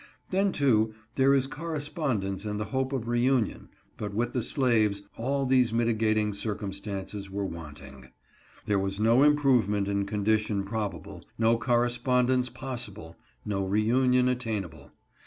Then, too, there is correspondence and the hope of reunion, but with the slaves, all these mitigating circumstances were want ing. There was no improvement in condition probable — no correspondence possible — no reunion attainable.